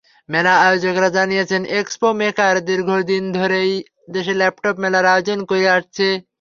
মেলা আয়োজকেরা জানিয়েছেন, expo maker দীর্ঘদিন ধরেই দেশে ল্যাপটপ মেলার আয়োজন করে আসছে।